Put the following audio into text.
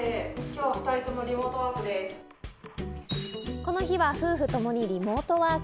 この日は夫婦ともにリモートワーク。